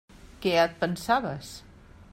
Què et pensaves?